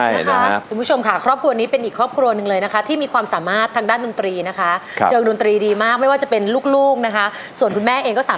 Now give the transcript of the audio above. ยอมจำนวนเธอและวันนี้แค่แรกเห็นหน้า